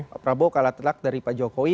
pak prabowo kalah telak dari pak jokowi